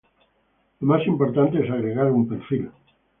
Lo más importante es agregar un perfil